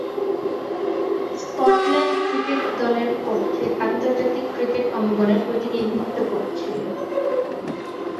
Scotland cricket দলের পক্ষে আন্তর্জাতিক ক্রিকেট অঙ্গনে প্রতিনিধিত্ব করছেন।